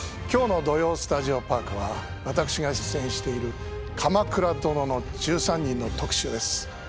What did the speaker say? きょうの「土曜スタジオパーク」は私が出演している「鎌倉殿の１３人」の特集です。